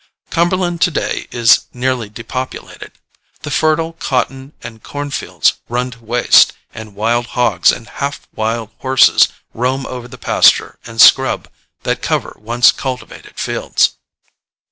Cumberland to day is nearly depopulated, the fertile cotton and corn fields run to waste, and wild hogs and half wild horses roam over the pasture and scrub that cover once cultivated fields.